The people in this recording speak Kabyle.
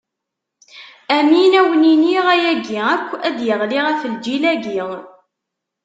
Amin, ad wen-iniɣ: ayagi akk ad d-iɣli ɣef lǧil-agi.